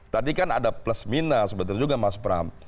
tadi kan ada plus minus betul juga mas pram